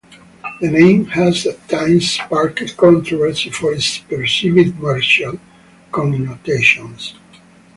The name has at times sparked controversy for its perceived martial connotations.